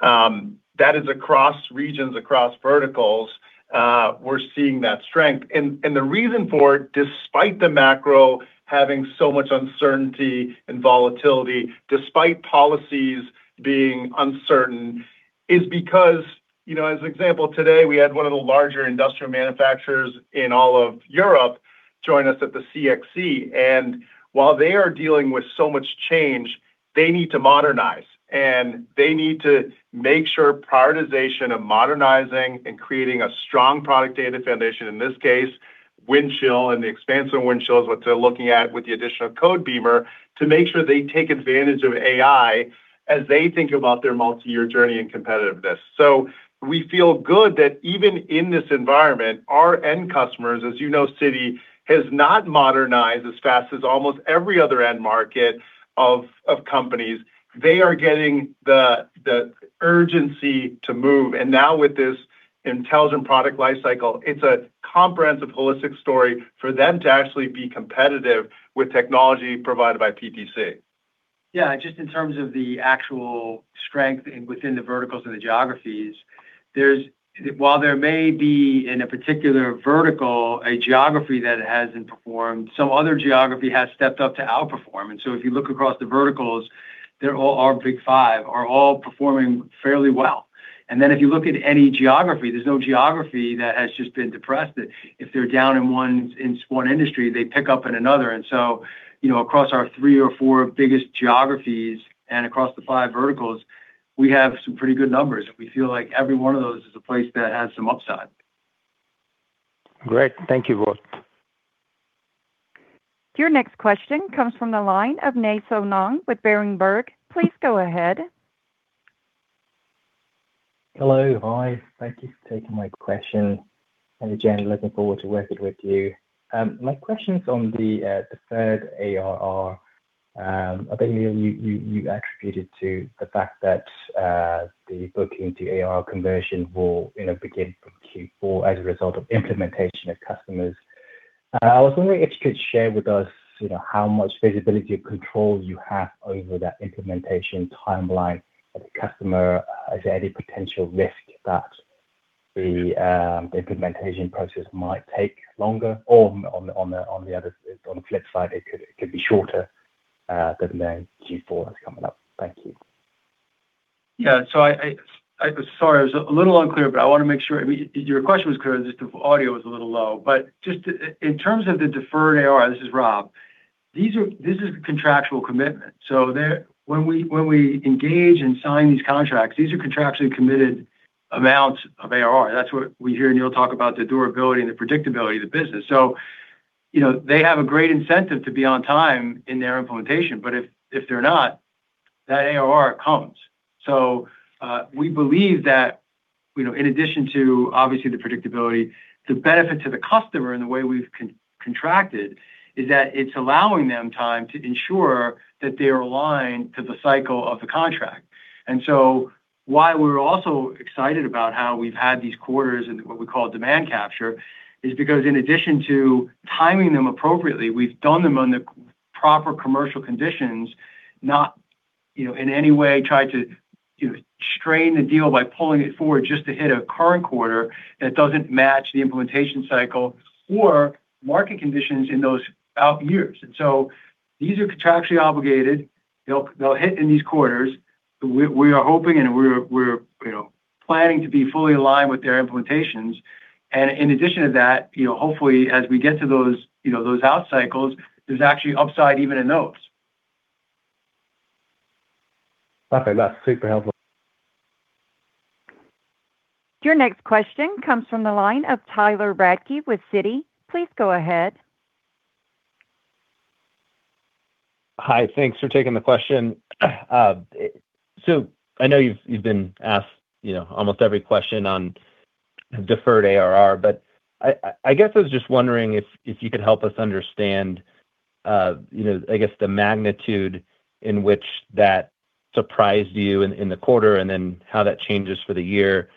That is across regions, across verticals, we're seeing that strength. And, and the reason for it, despite the macro having so much uncertainty and volatility, despite policies being uncertain, is because, you know, as an example, today, we had one of the larger industrial manufacturers in all of Europe join us at the CXC, and while they are dealing with so much change, they need to modernize. They need to make sure prioritization of modernizing and creating a strong product data foundation, in this case, Windchill, and the expanse of Windchill is what they're looking at with the additional Codebeamer, to make sure they take advantage of AI as they think about their multi-year journey and competitiveness. We feel good that even in this environment, our end customers, as you know, Siti, has not modernized as fast as almost every other end market of companies. They are getting the urgency to move. And now with this Intelligent Product Lifecycle, it's a comprehensive holistic story for them to actually be competitive with technology provided by PTC. Yeah, just in terms of the actual strength and within the verticals and the geographies, there's, while there may be, in a particular vertical, a geography that hasn't performed, some other geography has stepped up to outperform. And so if you look across the verticals, they're all, our big 5 are all performing fairly well. And then if you look at any geography, there's no geography that has just been depressed, that if they're down in one, in one industry, they pick up in another. And so, you know, across our 3 or 4 biggest geographies and across the 5 verticals, we have some pretty good numbers, and we feel like every one of those is a place that has some upside. Great. Thank you both. Your next question comes from the line of Nay Soe Naing with Berenberg. Please go ahead. Hello, hi. Thank you for taking my question. Hey, Jen, looking forward to working with you. My question is on the third ARR. I think you attributed to the fact that the booking to ARR conversion will, you know, begin Q4 as a result of implementation of customers. I was wondering if you could share with us, you know, how much visibility or control you have over that implementation timeline of the customer. Is there any potential risk that the implementation process might take longer? Or on the other side, on the flip side, it could be shorter than the Q4 that's coming up. Thank you. Yeah. So I-- sorry, I was a little unclear, but I want to make sure... I mean, your question was clear, just the audio was a little low. But just in terms of the deferred ARR, this is Rob, this is a contractual commitment. So when we engage and sign these contracts, these are contractually committed amounts of ARR. That's what we hear, and you'll talk about the durability and the predictability of the business. So, you know, they have a great incentive to be on time in their implementation, but if they're not, that ARR comes. So, we believe that, you know, in addition to, obviously, the predictability, the benefit to the customer and the way we've contracted is that it's allowing them time to ensure that they're aligned to the cycle of the contract. And so why we're also excited about how we've had these quarters and what we call demand capture is because in addition to timing them appropriately, we've done them on the proper commercial conditions, not, you know, in any way tried to, you know, strain the deal by pulling it forward just to hit a current quarter that doesn't match the implementation cycle or market conditions in those out years. And so these are contractually obligated. They'll, they'll hit in these quarters. We, we are hoping and we're, we're, you know, planning to be fully aligned with their implementations. And in addition to that, you know, hopefully, as we get to those, you know, those out cycles, there's actually upside even in those. Okay, that's super helpful. Your next question comes from the line of Tyler Radke with Citi. Please go ahead. Hi, thanks for taking the question. So I know you've been asked, you know, almost every question on deferred ARR, but I guess I was just wondering if you could help us understand, you know, I guess the magnitude in which that surprised you in the quarter, and then how that changes for the year.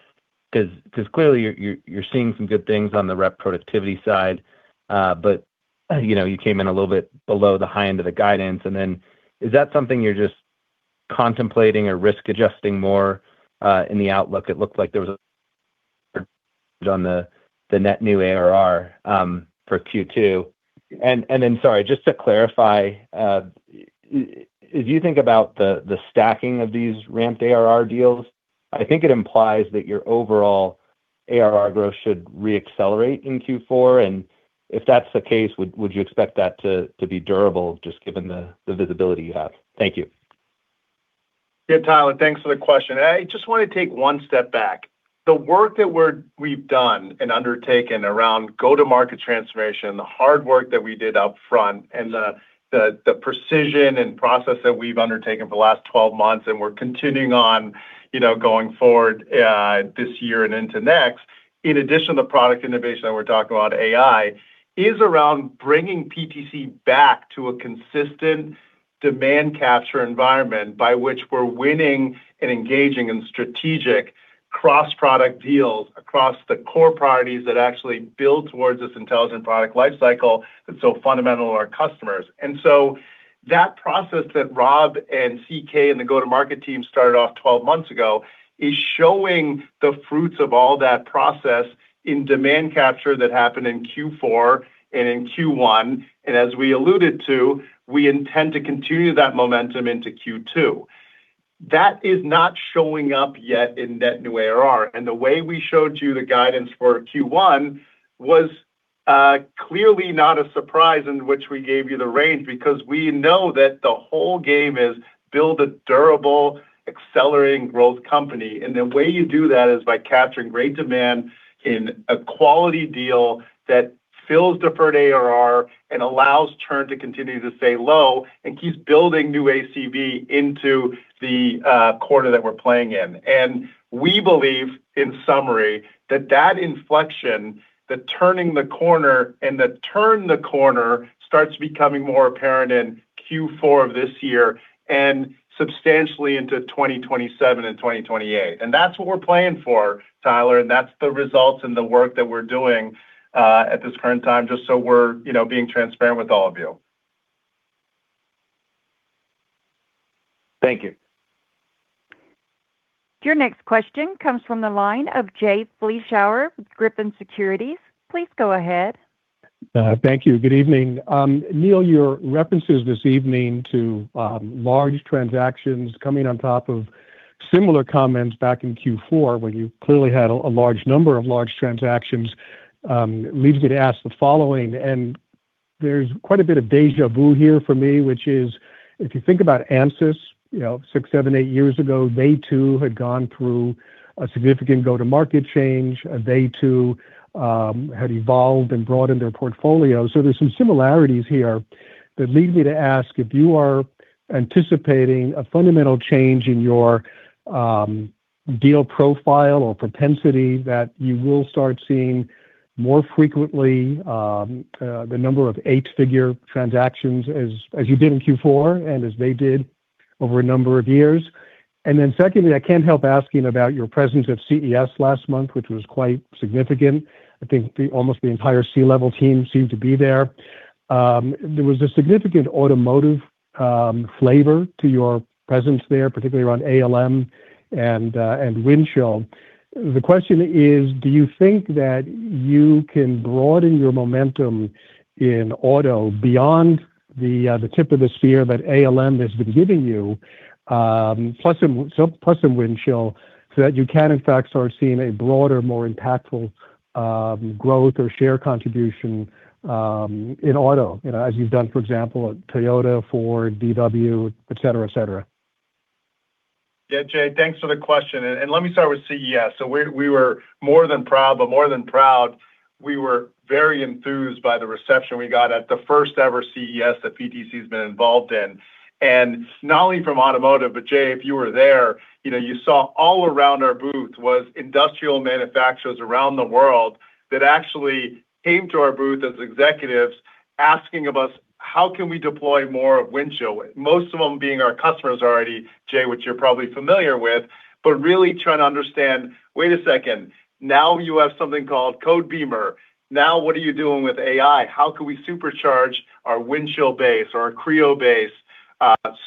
Because clearly you're seeing some good things on the rep productivity side, but you know, you came in a little bit below the high end of the guidance. And then is that something you're just contemplating or risk adjusting more in the outlook? It looked like there was on the net new ARR for Q2. And then, sorry, just to clarify, if you think about the stacking of these ramped ARR deals, I think it implies that your overall ARR growth should re-accelerate in Q4. And if that's the case, would you expect that to be durable, just given the visibility you have? Thank you. Yeah, Tyler, thanks for the question. I just want to take one step back. The work that we've done and undertaken around go-to-market transformation, the hard work that we did up front and the precision and process that we've undertaken for the last 12 months, and we're continuing. You know, going forward, this year and into next, in addition to the product innovation that we're talking about, AI, is around bringing PTC back to a consistent demand capture environment by which we're winning and engaging in strategic cross-product deals across the core priorities that actually build towards this intelligent product life cycle that's so fundamental to our customers. And so that process that Rob and CK and the go-to-market team started off 12 months ago, is showing the fruits of all that process in demand capture that happened in Q4 and in Q1. As we alluded to, we intend to continue that momentum into Q2. That is not showing up yet in net new ARR, and the way we showed you the guidance for Q1 was clearly not a surprise in which we gave you the range, because we know that the whole game is build a durable, accelerating growth company. And the way you do that is by capturing great demand in a quality deal that fills deferred ARR and allows churn to continue to stay low and keeps building new ACV into the quarter that we're playing in. And we believe, in summary, that that inflection, the turning the corner and the turn the corner, starts becoming more apparent in Q4 of this year and substantially into 2027 and 2028. That's what we're playing for, Tyler, and that's the results and the work that we're doing at this current time, just so we're, you know, being transparent with all of you. Thank you. Your next question comes from the line of Jay Vleeschhouwer with Griffin Securities. Please go ahead. Thank you. Good evening. Neil, your references this evening to large transactions coming on top of similar comments back in Q4, where you clearly had a large number of large transactions, leads me to ask the following, and there's quite a bit of déjà vu here for me, which is: if you think about Ansys, you know, 6, 7, 8 years ago, they too had gone through a significant go-to-market change. They too had evolved and broadened their portfolio. So there's some similarities here that lead me to ask if you are anticipating a fundamental change in your deal profile or propensity that you will start seeing more frequently the number of eight-figure transactions as you did in Q4 and as they did over a number of years. And then secondly, I can't help asking about your presence at CES last month, which was quite significant. I think almost the entire C-level team seemed to be there. There was a significant automotive flavor to your presence there, particularly around ALM and Windchill. The question is: do you think that you can broaden your momentum in auto beyond the tip of the spear that ALM has been giving you, plus some Windchill, so that you can, in fact, start seeing a broader, more impactful growth or share contribution in auto, you know, as you've done, for example, at Toyota, Ford, VW, et cetera, et cetera? Yeah, Jay, thanks for the question, and, and let me start with CES. So we, we were more than proud, but more than proud, we were very enthused by the reception we got at the first ever CES that PTC has been involved in. And not only from automotive, but Jay, if you were there, you know, you saw all around our booth was industrial manufacturers around the world that actually came to our booth as executives, asking of us: "How can we deploy more of Windchill?" Most of them being our customers already, Jay, which you're probably familiar with, but really trying to understand, wait a second, now you have something called Codebeamer. Now, what are you doing with AI? How can we supercharge our Windchill base or our Creo base,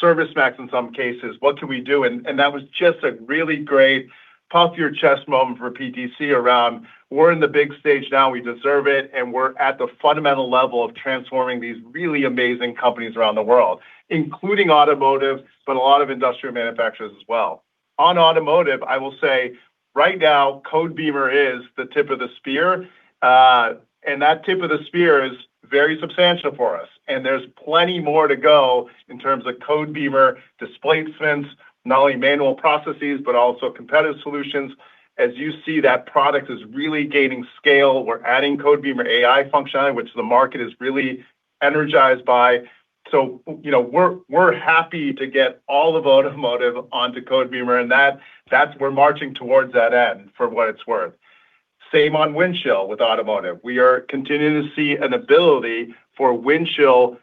ServiceMax in some cases? What can we do? That was just a really great puff your chest moment for PTC around, we're in the big stage now, we deserve it, and we're at the fundamental level of transforming these really amazing companies around the world, including automotive, but a lot of industrial manufacturers as well. On automotive, I will say right now, Codebeamer is the tip of the spear, and that tip of the spear is very substantial for us, and there's plenty more to go in terms of Codebeamer displacements, not only manual processes, but also competitive solutions. As you see, that product is really gaining scale. We're adding Codebeamer AI functionality, which the market is really energized by. So, you know, we're happy to get all of automotive onto Codebeamer, and that's. We're marching towards that end, for what it's worth. Same on Windchill with automotive. We are continuing to see an ability for Windchill,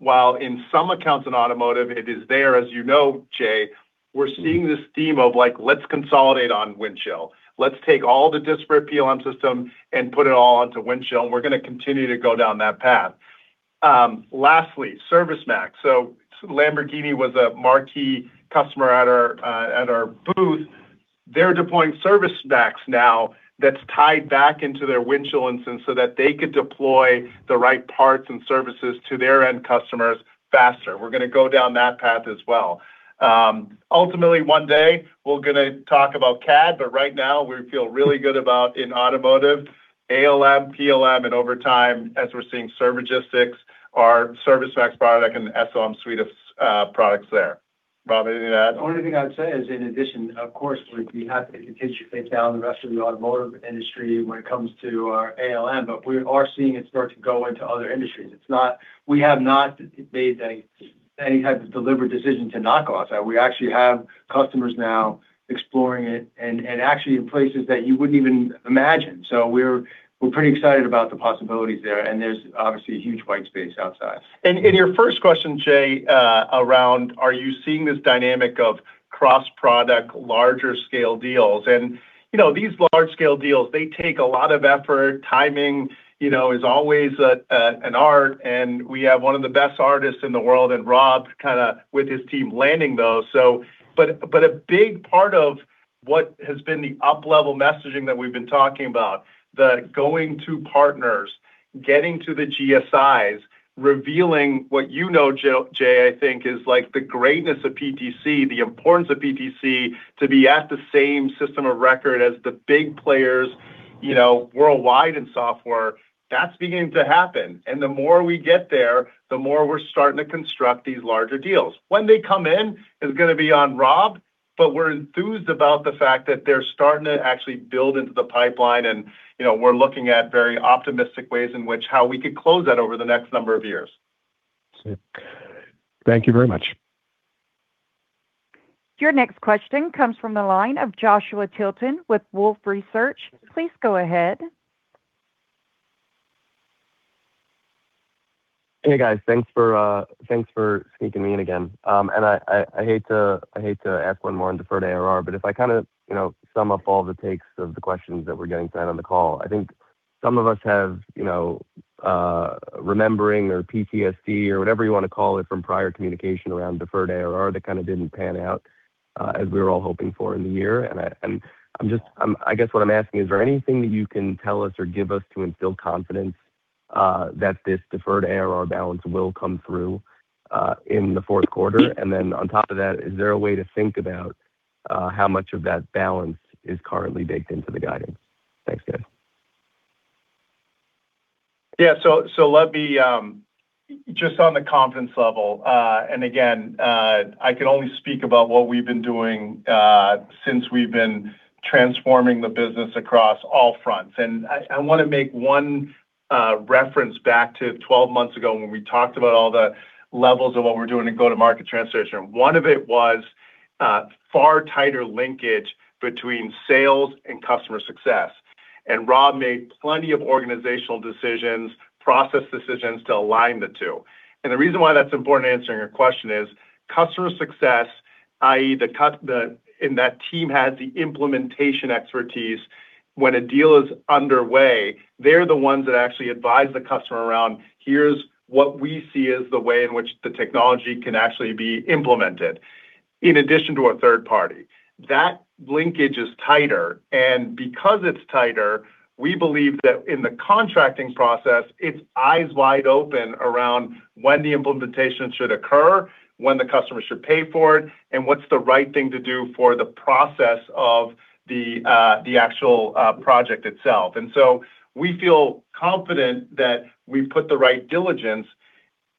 while in some accounts in automotive, it is there, as you know, Jay, we're seeing this theme of, like, let's consolidate on Windchill. Let's take all the disparate PLM system and put it all onto Windchill, and we're gonna continue to go down that path. Lastly, ServiceMax. So Lamborghini was a marquee customer at our booth. They're deploying ServiceMax now that's tied back into their Windchill instance, so that they could deploy the right parts and services to their end customers faster. We're gonna go down that path as well. Ultimately, one day we're gonna talk about CAD, but right now we feel really good about in automotive, ALM, PLM, and over time, as we're seeing Servigistics, our ServiceMax product and SLM suite of products there. Rob, anything to add? The only thing I'd say is, in addition, of course, we have to continue to chase down the rest of the automotive industry when it comes to our ALM, but we are seeing it start to go into other industries. It's not. We have not made any-... and he had the deliberate decision to knock off that. We actually have customers now exploring it and, and actually in places that you wouldn't even imagine. So we're, we're pretty excited about the possibilities there, and there's obviously a huge white space outside. And, and your first question, Jay, around are you seeing this dynamic of cross-product, larger scale deals? And, you know, these large scale deals, they take a lot of effort. Timing, you know, is always a, an art, and we have one of the best artists in the world, and Rob kinda with his team, landing those. But a big part of what has been the up-level messaging that we've been talking about, the going to partners, getting to the GSIs, revealing what you know, Jay, I think, is like the greatness of PTC, the importance of PTC, to be at the same system of record as the big players, you know, worldwide in software, that's beginning to happen. And the more we get there, the more we're starting to construct these larger deals. When they come in is gonna be on Rob, but we're enthused about the fact that they're starting to actually build into the pipeline. And, you know, we're looking at very optimistic ways in which how we could close that over the next number of years. Thank you very much. Your next question comes from the line of Joshua Tilton with Wolfe Research. Please go ahead. Hey, guys. Thanks for sneaking me in again. And I hate to ask one more on deferred ARR, but if I kinda, you know, sum up all the takes of the questions that we're getting tonight on the call, I think some of us have, you know, remembering or PTSD or whatever you wanna call it, from prior communication around deferred ARR that kind of didn't pan out, as we were all hoping for in the year. And I'm just, I guess what I'm asking, is there anything that you can tell us or give us to instill confidence, that this deferred ARR balance will come through, in the fourth quarter? On top of that, is there a way to think about how much of that balance is currently baked into the guidance? Thanks, guys. Yeah, so let me just on the confidence level, and again, I can only speak about what we've been doing since we've been transforming the business across all fronts. And I wanna make one reference back to 12 months ago when we talked about all the levels of what we're doing in go-to-market transition. One of it was far tighter linkage between sales and customer success, and Rob made plenty of organizational decisions, process decisions to align the two. And the reason why that's important, answering your question, is customer success, i.e. that team has the implementation expertise. When a deal is underway, they're the ones that actually advise the customer around, "Here's what we see as the way in which the technology can actually be implemented, in addition to a third party." That linkage is tighter, and because it's tighter, we believe that in the contracting process, it's eyes wide open around when the implementation should occur, when the customer should pay for it, and what's the right thing to do for the process of the actual project itself. And so we feel confident that we've put the right diligence,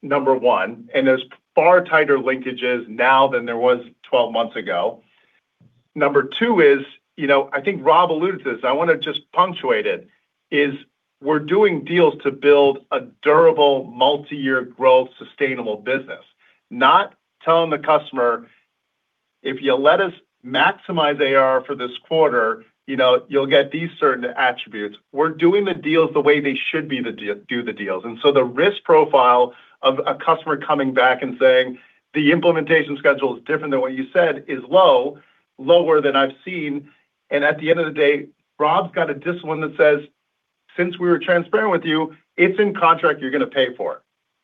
number one, and there's far tighter linkages now than there was 12 months ago. Number two is, you know, I think Rob alluded to this, I wanna just punctuate it, is we're doing deals to build a durable, multi-year growth, sustainable business. Not telling the customer, "If you let us maximize ARR for this quarter, you know, you'll get these certain attributes." We're doing the deals the way they should be, do the deals. So the risk profile of a customer coming back and saying, "The implementation schedule is different than what you said," is low, lower than I've seen. And at the end of the day, Rob's got a discipline that says, "Since we were transparent with you, it's in contract, you're gonna pay for it."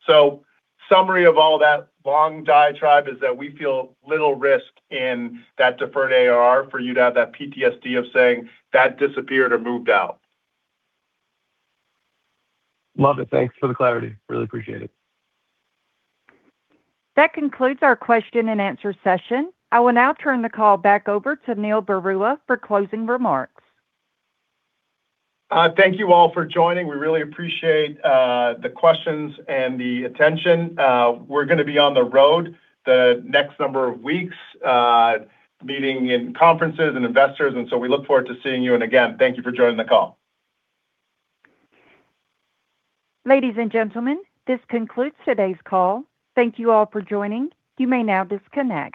So summary of all that long diatribe is that we feel little risk in that deferred ARR for you to have that PTSD of saying, "That disappeared or moved out. Love it. Thanks for the clarity. Really appreciate it. That concludes our question and answer session. I will now turn the call back over to Neil Barua for closing remarks. Thank you all for joining. We really appreciate the questions and the attention. We're gonna be on the road the next number of weeks, meeting in conferences and investors, and so we look forward to seeing you, and again, thank you for joining the call. Ladies and gentlemen, this concludes today's call. Thank you all for joining. You may now disconnect.